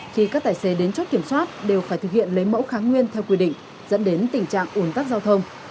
khi các tài xế đến chốt kiểm soát đều phải thực hiện lấy mẫu kháng nguyên theo quy định dẫn đến tình trạng ủn tắc giao thông